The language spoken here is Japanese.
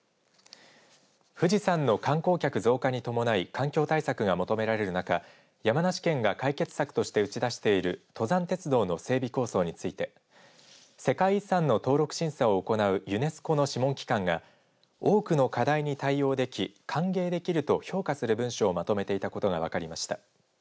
富士山の観光客増加に伴い環境対策が求められる中山梨県が解決策として打ち出している登山鉄道の整備構想について世界遺産の登録審査を行うユネスコの諮問機関が多くの課題に対応でき歓迎できると評価する文書をまとめていたことが分かりました。